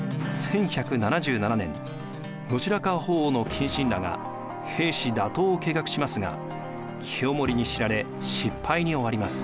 １１７７年後白河法皇の近臣らが平氏打倒を計画しますが清盛に知られ失敗に終わります。